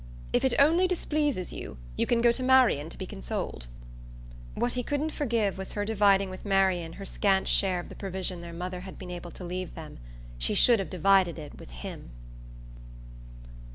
"If it only displeases you, you can go to Marian to be consoled." What he couldn't forgive was her dividing with Marian her scant share of the provision their mother had been able to leave them. She should have divided it with HIM.